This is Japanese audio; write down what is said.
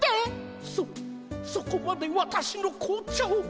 そそこまでわたしの紅茶を。